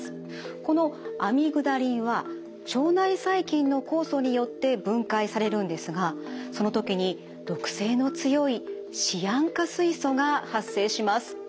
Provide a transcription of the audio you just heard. このアミグダリンは腸内細菌の酵素によって分解されるんですがその時に毒性の強いシアン化水素が発生します。